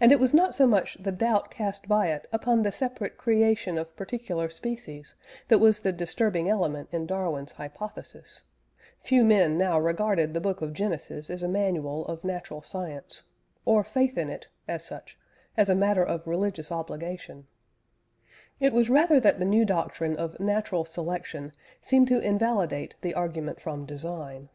And it was not so much the doubt cast by it upon the separate creation of particular species that was the disturbing element in Darwin's hypothesis (few men now regarded the book of Genesis as a manual of natural science, or faith in it, as such, as a matter of religious obligation); it was rather that the new doctrine of "natural selection" seemed to invalidate the "argument from design."